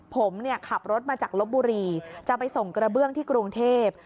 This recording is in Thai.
ผมเนี่ยขับรถมาจากลบบุรีจะไปส่งกระเบื้องที่กรุงเทพ